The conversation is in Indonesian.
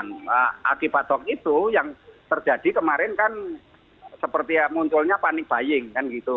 nah akibat hoax itu yang terjadi kemarin kan seperti munculnya panik buying kan gitu